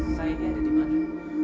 saya ini ada dimana